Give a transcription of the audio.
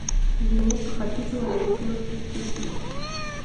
لیمو په ختیځو ولایتونو کې کیږي.